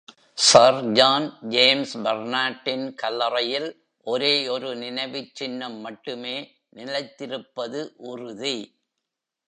Sir John James பர்னெட்டின் கல்லறையில்; ஒரே ஒரு நினைவுச்சின்னம் மட்டுமே நிலைத்திருப்பது உறுதி.